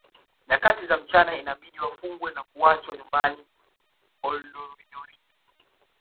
Nyakati za mchana inabidi wafungwe na kuachwa nyumbani Olodoyiorie